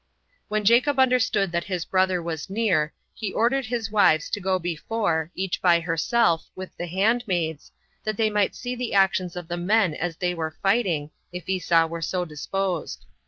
3. When Jacob understood that his brother was near, he ordered his wives to go before, each by herself, with the handmaids, that they might see the actions of the men as they were fighting, if Esau were so disposed.